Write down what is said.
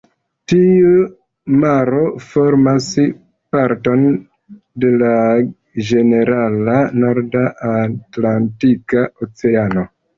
Tiu maro formas parton de la ĝenerala norda Atlantika Oceano.